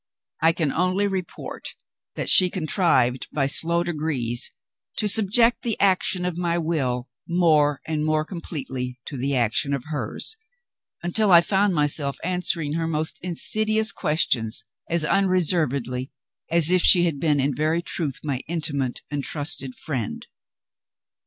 I can only report that she contrived by slow degrees to subject the action of my will more and more completely to the action of hers, until I found myself answering her most insidious questions as unreservedly as if she had been in very truth my intimate and trusted friend.